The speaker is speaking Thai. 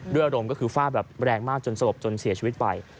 อารมณ์ก็คือฟาดแบบแรงมากจนสลบจนเสียชีวิตไป